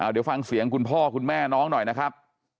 เดี๋ยวฟังเสียงคุณพ่อคุณแม่น้องหน่อยนะครับ